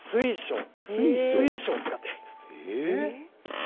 実は水晶を使っているんです。